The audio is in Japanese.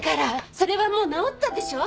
それはもう治ったでしょう。